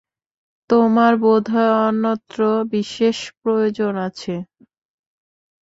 তোমার বোধ হয় অন্যত্র বিশেষ প্রয়োজন আছে।